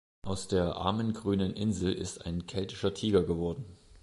Aus der armen grünen Insel ist ein keltischer Tiger geworden.